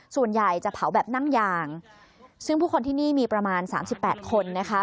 ส่วนใหญ่จะเผาแบบนั่งยางซึ่งผู้คนที่นี่มีประมาณสามสิบแปดคนนะคะ